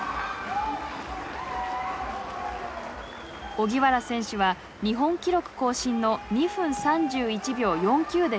荻原選手は日本記録更新の２分３１秒４９でフィニッシュ。